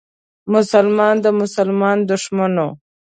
مسلمان د مسلمان دښمن و.